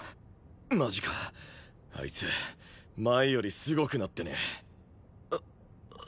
マジかあいつ前よりすごくなってね？